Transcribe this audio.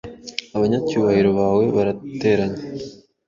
Abanyacyubahiro bawe barateranye.